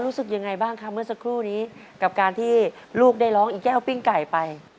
รู้สึกยังไงบ้างคะเมื่อสักครู่นี้กับการที่ลูกได้ร้องอีแก้วปิ้งไก่ไป